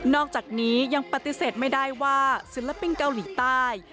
อกจากนี้ยังปฏิเสธไม่ได้ว่าศิลปินเกาหลีใต้